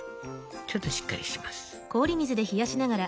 ちょっとしっかりします。